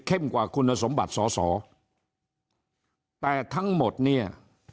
กว่าคุณสมบัติสอสอแต่ทั้งหมดเนี่ย